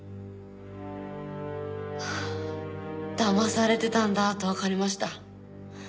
ああだまされてたんだとわかりました。